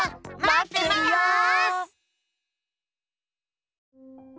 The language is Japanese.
まってます！